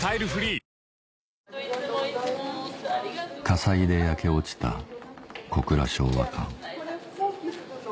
火災で焼け落ちた小倉昭和館